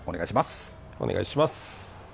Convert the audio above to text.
お願いします。